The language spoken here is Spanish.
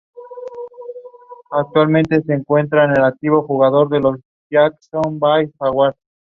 Fue escrito por Dave Hill y dirigido por David Nutter.